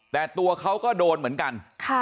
แต่ตัวเขาก็โดนเหมือนกัน